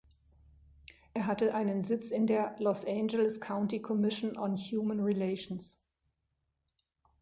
Er hatte einen Sitz in der "Los Angeles County Commission on Human Relations".